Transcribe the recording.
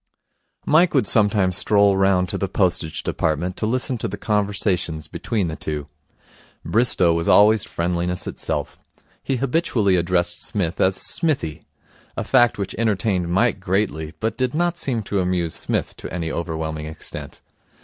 Mike would sometimes stroll round to the Postage Department to listen to the conversations between the two. Bristow was always friendliness itself. He habitually addressed Psmith as Smithy, a fact which entertained Mike greatly but did not seem to amuse Psmith to any overwhelming extent.